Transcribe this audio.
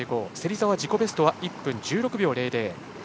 芹澤、自己ベストは１分１６秒００。